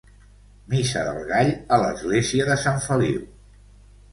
Missa del Gall a l'església de Sant Feliu.